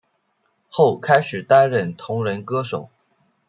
后开始担任同人歌手。